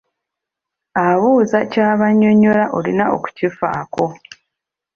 Abuuza ky’aba annyonnyola olina okufifaako.